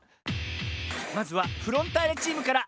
まずはフロンターレチームから。